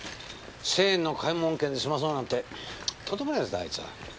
千円の買い物券で済まそうなんてとんでもないヤツだあいつは！